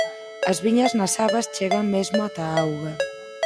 As viñas nas abas chegan mesmo ata a auga.